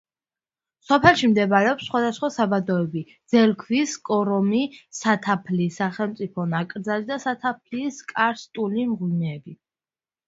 სოფელში მდებარეობს სხვადასხვა საბადოები, ძელქვის კორომი, სათაფლიის სახელმწიფო ნაკრძალი და სათაფლიის კარსტული მღვიმეები.